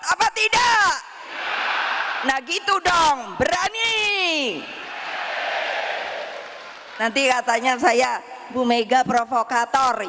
apa tidak nah gitu dong berani nanti katanya saya bu mega provokator